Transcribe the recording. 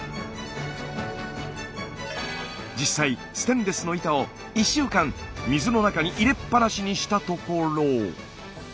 実際ステンレスの板を１週間水の中に入れっぱなしにしたところ。